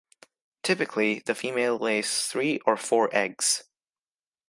Typically, the female lays three or four eggs.